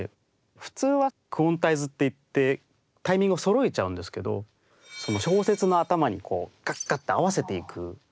普通はクオンタイズっていってタイミングをそろえちゃうんですけど小節の頭にカッカッと合わせていく。